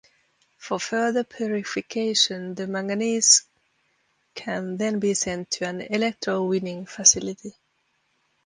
For further purification, the manganese can then be sent to an electrowinning facility.